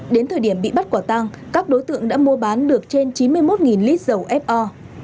đến thời điểm bị bắt quả tăng các đối tượng đã mua bán được trên chín mươi một lít dầu fo